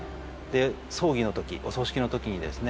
葬儀の時お葬式の時にですね